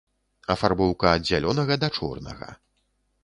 Афарбоўка ад зялёнага да чорнага.